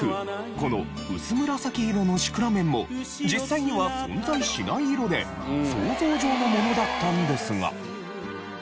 このうす紫色のシクラメンも実際には存在しない色で想像上のものだったんですが。